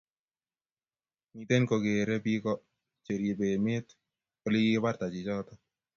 miten kogeerei Biko cheribe emet olegigibarta chichoto